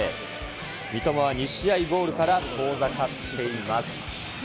三笘は２試合ゴールから遠ざかっています。